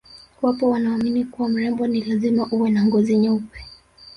Wapo wanaoamini kuwa mrembo ni lazima uwe na ngozi nyeupe